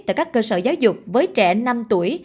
tại các cơ sở giáo dục với trẻ năm tuổi